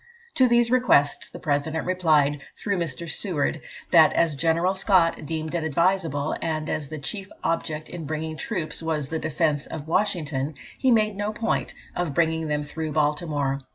To these requests the President replied, through Mr. Seward, that as General Scott deemed it advisable, and as the chief object in bringing troops was the defence of Washington, he made no point of bringing them through Baltimore.